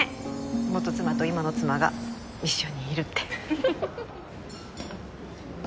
元妻と今の妻が一緒にいるって。